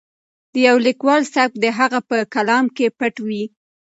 د یو لیکوال سبک د هغه په کلام کې پټ وي.